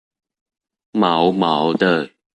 毛毛的